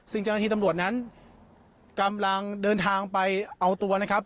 ซึ่งเจ้าหน้าที่ตำรวจนั้นกำลังเดินทางไปเอาตัวนะครับ